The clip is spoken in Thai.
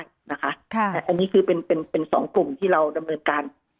อันนี้คือเป็น๒กลุ่มที่เราดำเนินการ